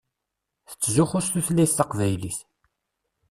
Tettzuxxu s tutlayt taqbaylit.